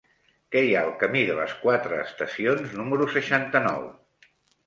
Què hi ha al camí de les Quatre Estacions número seixanta-nou?